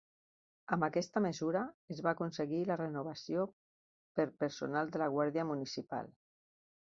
Amb aquesta mesura es va aconseguir la renovació per personal de la guàrdia municipal.